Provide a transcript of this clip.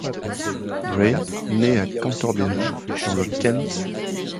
Gray naît à Cantorbéry dans le Kent.